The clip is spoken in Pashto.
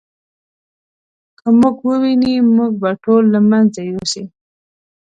که موږ وویني موږ به ټول له منځه یوسي.